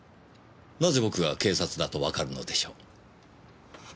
なぜ僕が警察だとわかるのでしょう？